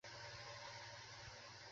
তাতে একদমই কোনো দোষ নেই।